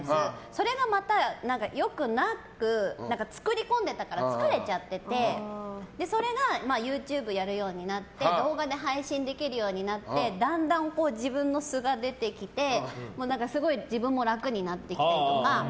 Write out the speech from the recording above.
それがまた、良くなく作り込んでたから疲れちゃっててそれがＹｏｕＴｕｂｅをやるようになって動画で配信できるようになってだんだん自分の素が出てきてもうすごい自分も楽になってきたりとか。